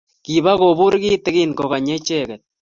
kibigobuur kitigin koganyi icheget